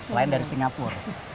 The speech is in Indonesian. selain dari singapura